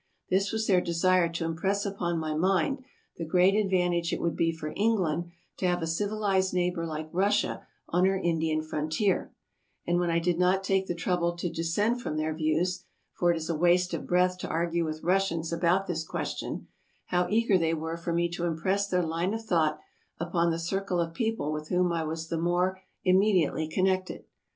This was their desire to impress upon my mind the great ad vantage it would be for England to have a civilized neighbor like Russia on her Indian frontier ; and when I did not take the trouble to dissent from their views — for it is a waste of breath to argue with Russians about this question — how eager they were for me to impress their line of thought upon the circle of people with whom I was the more immediately connected.